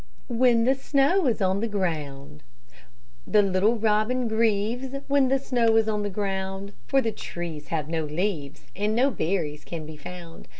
WHEN THE SNOW IS ON THE GROUND The little robin grieves When the snow is on the ground, For the trees have no leaves, And no berries can be found.